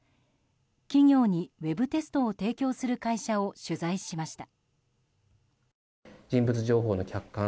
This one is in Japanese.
企業にウェブテストを提供する会社を取材しました。